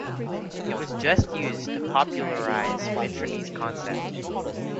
It was just used to popularize Mitrany's concept.